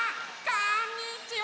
こんにちは。